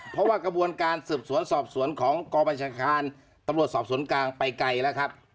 เพราะว่ากระบวนการสืบสวนสอบสวนของกรบัญชาการตำรวจสอบสวนกลางไปไกลแล้วครับ